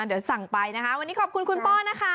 เดี๋ยวสั่งไปนะคะวันนี้ขอบคุณคุณป้อนะคะ